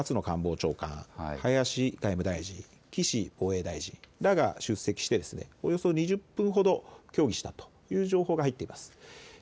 官房長官、林外務大臣、岸防衛大臣らが出席しておよそ２０分ほど協議したという情報が入っています。